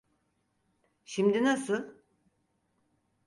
Şimdi nasıl?